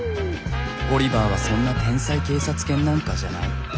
オリバーはそんな天才警察犬なんかじゃない。